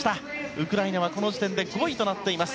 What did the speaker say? ウクライナはこの時点で５位となっています。